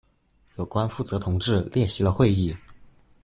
有关负责同志列席了会议。